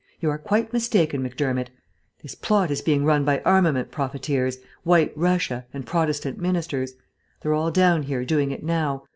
"You are quite mistaken, Macdermott. This plot is being run by armament profiteers, White Russia, and Protestant ministers. They're all down here doing it now.